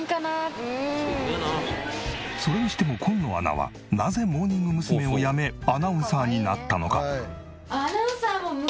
それにしても紺野アナはなぜモーニング娘。を辞めアナウンサーになったのか？